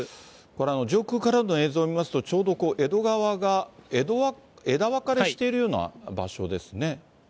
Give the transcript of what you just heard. これ、上空からの映像を見ますと、ちょうど江戸川が枝分かれしてるような場所ですね。